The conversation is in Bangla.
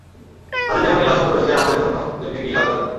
তাদের যেমন ইলাহসমূহ রয়েছে আমাদের জন্যেও তেমন একটি ইলাহ্ গড়ে দাও।